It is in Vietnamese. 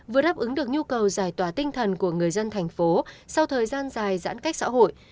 vừa đáp ứng được nhu cầu giải tỏa tinh thần của người dân thành phố sau thời gian dài giãn cách xã hội